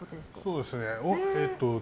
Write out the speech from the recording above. そうですね。